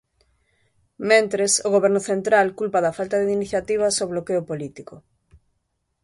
Mentres, o Goberno central culpa da falta de iniciativas o bloqueo político.